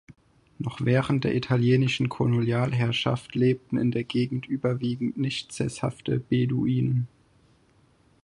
Noch während der italienischen Kolonialherrschaft lebten in der Gegend überwiegend nicht sesshafte Beduinen.